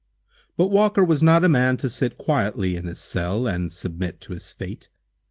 But Walker was not a man to sit quietly in his cell, and submit to his fate.